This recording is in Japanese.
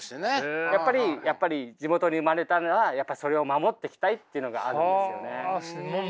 やっぱり地元に生まれたならそれを守っていきたいっていうのがあるんですよね。